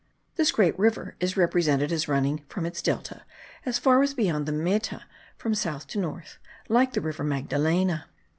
This great river is represented as running from its delta as far as beyond the Meta, from south to north, like the river Magdalena.